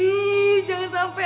ih jangan sampai